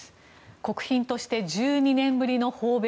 国賓として１２年ぶりの訪米。